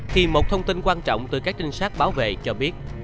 thì một thông tin quan trọng từ các trinh sát bảo vệ cho biết